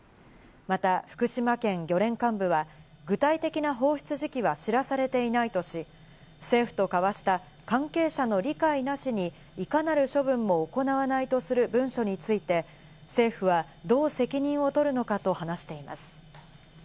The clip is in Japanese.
また、福島県漁連幹部は、具体的な放出時期は知らされていないとし、政府と交わした関係者の理解なしに、いかなる処分も行わないとする文書について、政府はどう責任をとるのかと話しています。